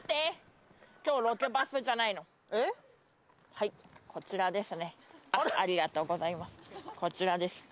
はい、こちらです。